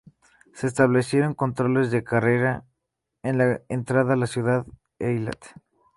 Se establecieron controles de carretera en la entrada a la ciudad de Eilat.